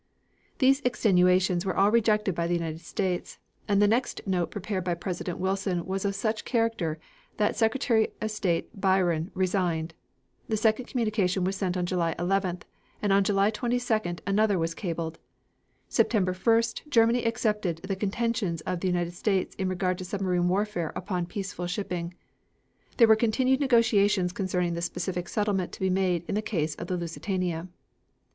These extenuations were all rejected by the United States, and the next note prepared by President Wilson was of such character that Secretary of State Bryan resigned. This second communication was sent on June 11th, and on June 22d another was cabled. September 1st Germany accepted the contentions of the United States in regard to submarine warfare upon peaceful shipping. There were continued negotiations concerning the specific settlement to be made in the case of the Lusitania.